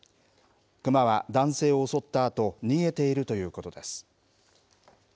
熊は男性を襲ったあと逃げているということです。